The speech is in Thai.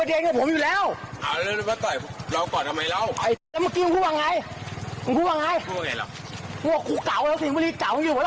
เอาไม่ออก